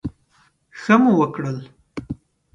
ښه مو وکړل.